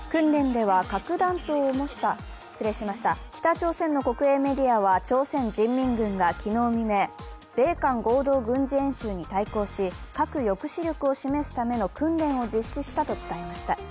北朝鮮の国営メディアは、朝鮮人民軍が昨日未明、米韓合同軍事演習に対抗し、核抑止力を示すための訓練を実施したと伝えました。